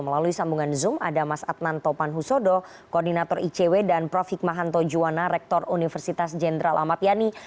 melalui sambungan zoom ada mas adnan topan husodo koordinator icw dan prof hikmahanto juwana rektor universitas jenderal amat yani